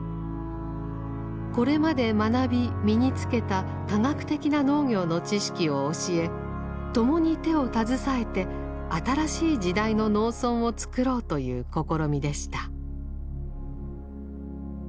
これまで学び身に付けた科学的な農業の知識を教え共に手を携えて新しい時代の農村をつくろうという試みでした。